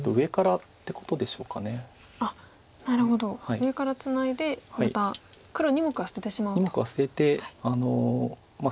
上からツナいでまた黒２目は捨ててしまおうと。